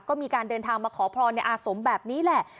ก็มีการเดินทางมาขอพรในอาสมแบบนี้แหละ